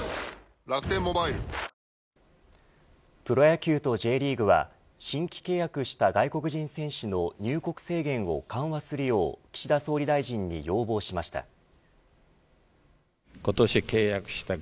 プロ野球とＪリーグは新規契約した外国人選手の入国制限を緩和するよう岸田総理大臣に要望しました。